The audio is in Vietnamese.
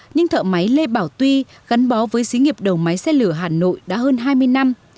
nhưng thợ máy lê bảo tuy gắn bó với xí nghiệp đầu máy xe lửa hà nội đã hơn hai mươi năm